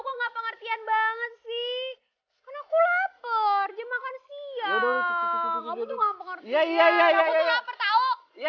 kok nggak pengertian banget sih aku lapar dia makan siang kamu tuh nggak ngerti ya